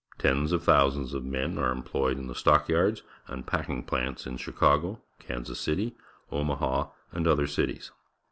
Tens of thousands of men are employed in the stockyards and packing plants in Chicag o^ Kan sas City, Omaha, and other cities.